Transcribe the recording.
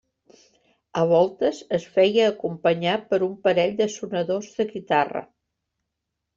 A voltes es feia acompanyar per un parell de sonadors de guitarra.